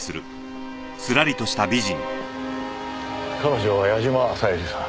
彼女は矢嶋小百合さん。